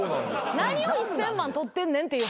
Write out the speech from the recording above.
何を１，０００万取ってんねんっていう話ですから。